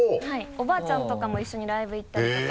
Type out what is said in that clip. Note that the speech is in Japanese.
おばあちゃんとかも一緒にライブ行ったりとか。